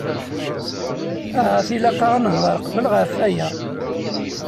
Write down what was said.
Ahat ilaq-aɣ ad nehder qbel ɣef aya.